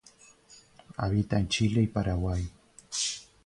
Habita en Chile y Paraguay.